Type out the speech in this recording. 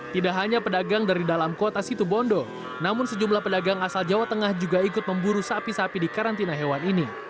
tidak hanya pedagang dari dalam kota situbondo namun sejumlah pedagang asal jawa tengah juga ikut memburu sapi sapi di karantina hewan ini